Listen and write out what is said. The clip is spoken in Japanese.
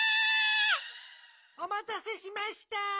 おまたせしました。